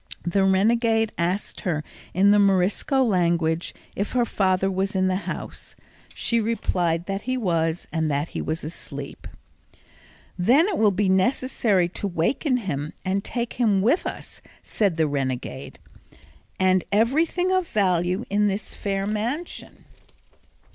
The renegade asked her in the Morisco language if her father was in the house. She replied that he was and that he was asleep. "Then it will be necessary to waken him and take him with us," said the renegade, "and everything of value in this fair mansion."